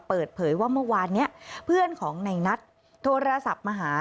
เปิดเผยว่าเมื่อวานนี้เพื่อนของในนัทโทรศัพท์มาหา